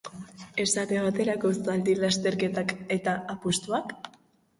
Esate baterako zaldi lasterketak eta apustuak?